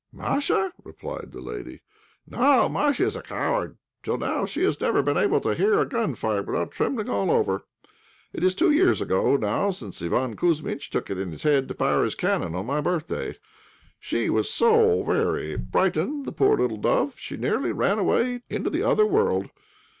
"Masha!" replied the lady; "no, Masha is a coward. Till now she has never been able to hear a gun fired without trembling all over. It is two years ago now since Iván Kouzmitch took it into his head to fire his cannon on my birthday; she was so frightened, the poor little dove, she nearly ran away into the other world.